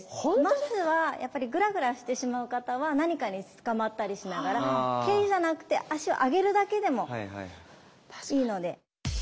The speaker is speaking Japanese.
まずはやっぱりグラグラしてしまう方は何かにつかまったりしながら蹴りじゃなくて足を上げるだけでもいいので。